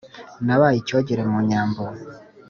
nabaye icyogere mu nyambo